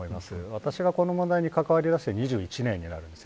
私がこの問題に関わりだして２１年になります。